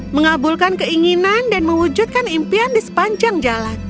mengabulkan keinginan dan mewujudkan impian di sepanjang jalan